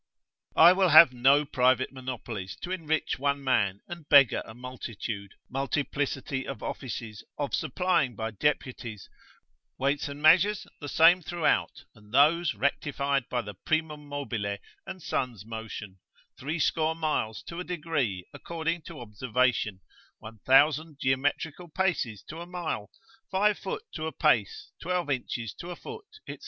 I will have no private monopolies, to enrich one man, and beggar a multitude, multiplicity of offices, of supplying by deputies, weights and measures, the same throughout, and those rectified by the Primum mobile and sun's motion, threescore miles to a degree according to observation, 1000 geometrical paces to a mile, five foot to a pace, twelve inches to a foot, &c.